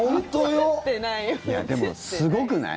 でも、すごくない？